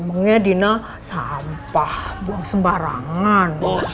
maksudnya dina sampah buang sembarangan